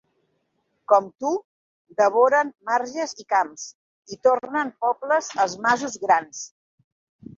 Com tu, devoren marges i camps, i tornen pobles els masos grans.